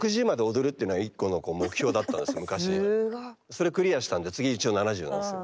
それクリアしたんで次一応７０なんですよ。